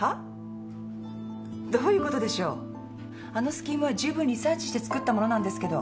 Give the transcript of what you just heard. あのスキームは十分リサーチして作ったものなんですけど。